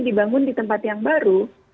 dibangun di tempat yang baru